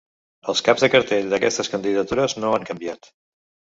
Els caps de cartell d’aquestes candidatures no han canviat.